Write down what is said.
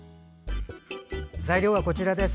材料はこちらです。